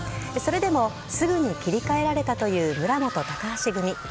それでもすぐに切り替えられたという村元・高橋組。